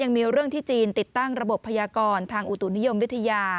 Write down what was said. ยังมีเรื่องที่จีนติดตั้งระบบพยากรทางอุตุนิยมวิทยา